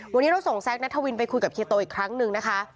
วันนี้เราส่งแซคนัทวินไปคุยกับเฮียโตอีกครั้งหนึ่งนะคะ